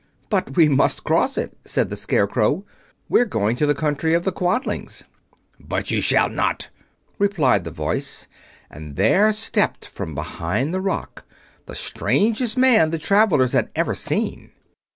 "But we must cross it," said the Scarecrow. "We're going to the country of the Quadlings." "But you shall not!" replied the voice, and there stepped from behind the rock the strangest man the travelers had ever seen.